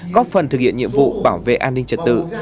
góp phần thực hiện nhiệm vụ bảo vệ an ninh trật tự